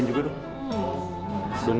ini juga bercanda yuk